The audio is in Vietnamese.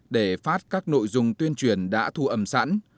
để phát các nội dung tuyên truyền đã thu âm sẵn